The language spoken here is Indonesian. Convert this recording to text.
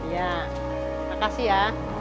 ya makasih ya